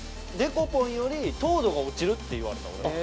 デコポンより糖度が落ちるって言われた俺。